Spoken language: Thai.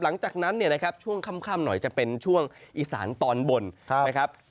หลังจากนั้นช่วงค่ำหน่อยจะเป็นช่วงอิสานตอนบนนะครับ